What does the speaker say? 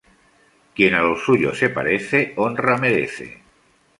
Quien a los suyos se parece, honra merece